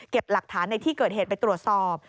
หลักฐานในที่เกิดเหตุไปตรวจสอบ